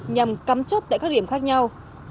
nhằm cắm chốt tại các điểm khác nhau